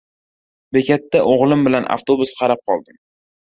Bekatda o‘g‘lim bilan avtobus qarab qoldim.